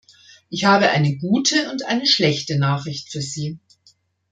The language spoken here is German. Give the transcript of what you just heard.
Ich habe eine gute und eine schlechte Nachricht für Sie.